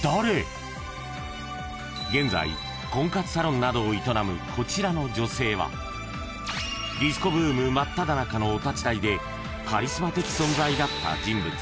［現在婚活サロンなどを営むこちらの女性はディスコブーム真っただ中のお立ち台でカリスマ的存在だった人物］